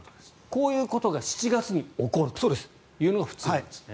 こういうことが７月に起こるというのが普通なんですね。